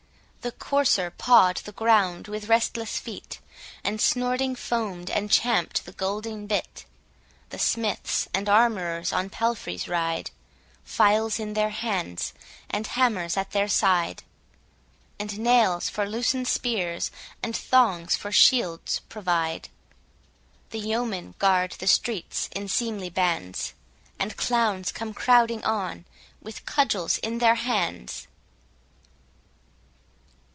The courser paw'd the ground with restless feet, And snorting foam'd and champ'd the golden bit. The smiths and armourers on palfreys ride, Files in their hands, and hammers at their side; And nails for loosen'd spears, and thongs for shields provide. The yeomen guard the streets in seemly bands; And clowns come crowding on, with cudgels in their hands.